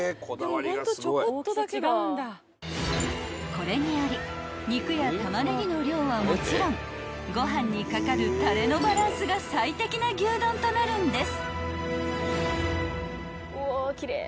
［これにより肉やタマネギの量はもちろんご飯に掛かるたれのバランスが最適な牛丼となるんです］